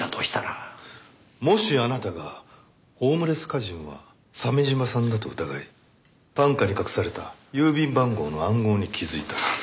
もしあなたがホームレス歌人は鮫島さんだと疑い短歌に隠された郵便番号の暗号に気づいたら。